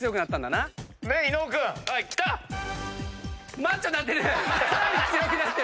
マッチョになってる！